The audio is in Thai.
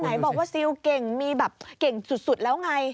ไหนบอกว่าซิลเก่งมีแบบเก่งสุดแล้วไง